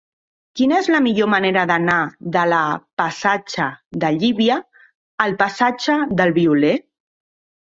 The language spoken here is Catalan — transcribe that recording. Quina és la millor manera d'anar de la passatge de Llívia al passatge del Violer?